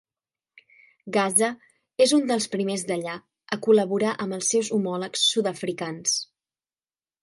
Gazza és un dels primers d'allà a col·laborar amb els seus homòlegs sud-africans.